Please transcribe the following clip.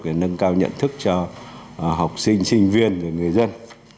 để nâng cao nhận thức cho học sinh sinh viên người dân